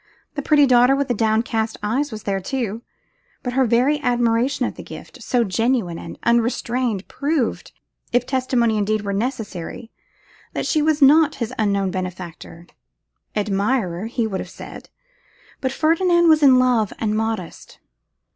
The pretty daughter with the downcast eyes was there too; but her very admiration of the gift, so genuine and unrestrained, proved, if testimony indeed were necessary, that she was not his unknown benefactor: admirer, he would have said; but Ferdinand was in love, and modest.